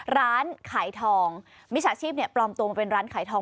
ร้านขายทองมิจฉาชีพเนี่ยปลอมตัวมาเป็นร้านขายทอง